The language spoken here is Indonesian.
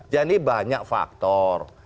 jadi banyak faktor